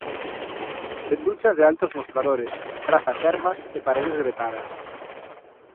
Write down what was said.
Tenduchas de altos mostradores, prazas ermas e paredes gretadas.